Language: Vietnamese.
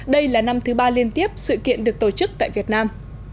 đây là năm thứ ba liên tiếp sự kiện được tổ chức tại việt nam